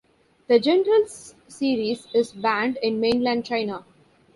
The "Generals" series is banned in mainland China.